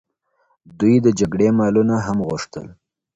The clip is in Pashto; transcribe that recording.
دوی د جګړې مالونه هم غوښتل.